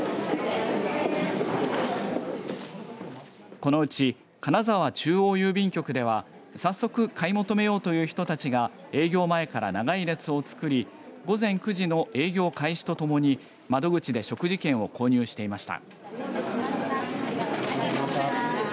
このうち金沢中央郵便局では早速、買い求めようという人たちが営業前から長い列をつくり午前９時の営業開始とともに窓口で食事券を購入していました。